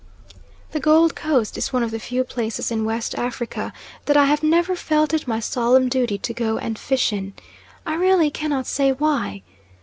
The Gold Coast is one of the few places in West Africa that I have never felt it my solemn duty to go and fish in. I really cannot say why.